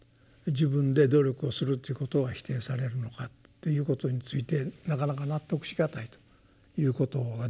自分で努力をするっていうことは否定されるのかということについてなかなか納得しがたいということが出てくると思うんですが。